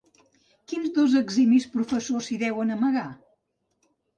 ¿Quins dos eximis professors s'hi deuen amagar?